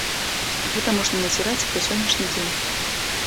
Гэта можна назіраць і па сённяшні дзень.